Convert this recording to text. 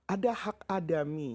ada hak adami